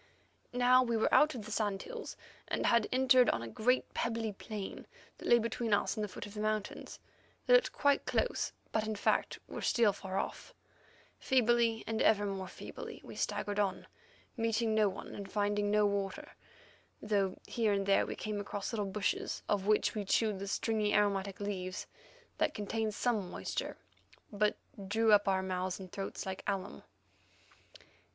Now we were out of the sand hills, and had entered on a great pebbly plain that lay between us and the foot of the mountains. These looked quite close, but in fact were still far off. Feebly and ever more feebly we staggered on, meeting no one and finding no water, though here and there we came across little bushes, of which we chewed the stringy and aromatic leaves that contained some moisture, but drew up our mouths and throats like alum.